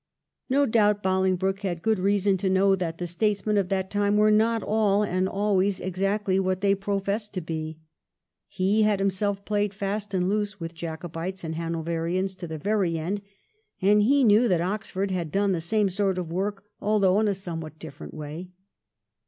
No doubt Bolingbroke had good reason to know that the statesmen of that time were not all and always exactly what they professed to be. He had himself played fast and loose with Jacobites and Hanoverians to the very end, and he knew that Oxford had done the same sort of work although in a somewhat different way.